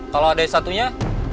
kalau adek satunya